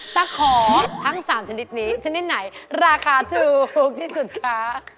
ตะขอทั้ง๓ชนิดนี้ชนิดไหนราคาถูกที่สุดคะ